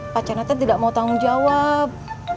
pacarnya teh tidak mau tanggung jawab